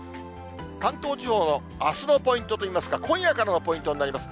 関東地方のあすのポイントといいますか、今夜からのポイントになります。